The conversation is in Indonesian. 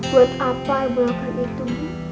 buat apa ibu lakukan itu